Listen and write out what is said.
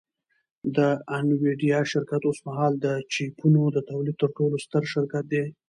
د انویډیا شرکت اوسمهال د چیپونو د تولید تر ټولو ستر شرکت دی